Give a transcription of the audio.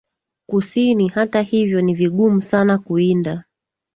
Kusini Hata hivyo ni vigumu sana kuwinda